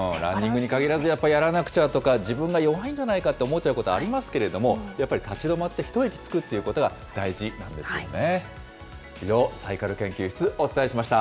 ランニングに限らず、やっぱり、やらなくちゃとか、自分が弱いんじゃないかと思っちゃうことありますけれども、やっぱり立ち止まって一息つくということが大事なんですよね。